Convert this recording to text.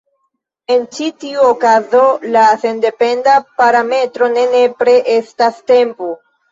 En ĉi tiu okazo la sendependa parametro ne nepre estas tempo.